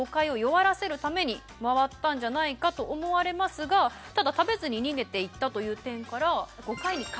回ったんじゃないかと思われますがただ食べずに逃げて行ったという点から。